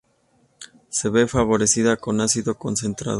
Se ve favorecida con ácido concentrado.